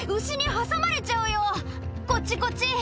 こっちこっち。